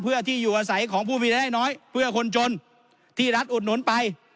เพื่อที่อยู่อาศัยของผู้มีรายได้น้อยเพื่อคนจนที่รัฐอุดหนุนไป